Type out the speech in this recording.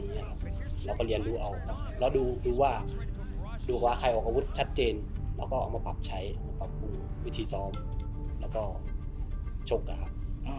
เราก็เรียนรู้เอาแล้วดูว่าดูว่าใครออกอาวุธชัดเจนแล้วก็ออกมาปรับใช้มาปรับปรุงวิธีซ้อมแล้วก็ชกนะครับ